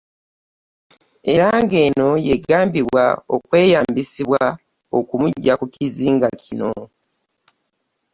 Era ng'eno y'egambibwa okweyambisibwa okumuggya ku kizinga kino.